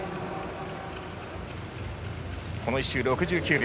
この１周は６９秒。